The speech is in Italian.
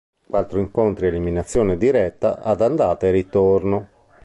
Quattro incontri a eliminazione diretta ad andata e ritorno.